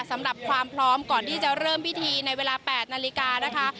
สำหรับความพร้อมก่อนที่จะเริ่มพิธีในเวลา๘นาฬิกานะคะ